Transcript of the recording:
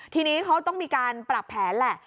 ทีนี้เขาต้องมีการปรับแผนแหละ